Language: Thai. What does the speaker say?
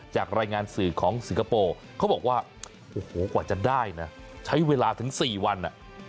จากรายงานสื่อของสิงคโปร์เขาบอกว่าโอ้โหกว่าจะได้นะใช้เวลาถึง๔วัน